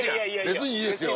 「別にいいですよ